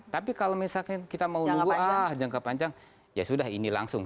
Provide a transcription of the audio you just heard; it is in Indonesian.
tapi kalau misalkan kita mau wah jangka panjang ya sudah ini langsung